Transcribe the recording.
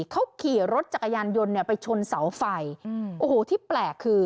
เขาขี่รถจักรยานยนต์เนี่ยไปชนเสาไฟอืมโอ้โหที่แปลกคือ